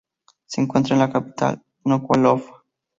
Se encuentra en la capital, Nukualofa.